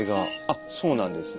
あっそうなんです。